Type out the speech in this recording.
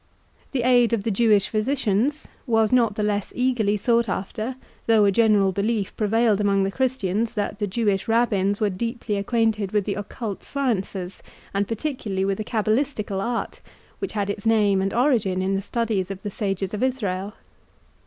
The aid of the Jewish physicians was not the less eagerly sought after, though a general belief prevailed among the Christians, that the Jewish Rabbins were deeply acquainted with the occult sciences, and particularly with the cabalistical art, which had its name and origin in the studies of the sages of Israel.